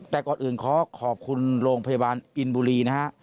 แต่ก่อนอื่นขอขอบคุณโรงพยาบาลอินบุรีนะฮะ